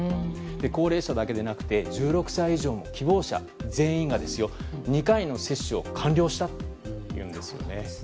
高齢者だけじゃなくて１６歳以上の希望者全員が２回の接種を完了したというんです。